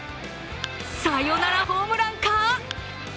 サヨナラホームランか？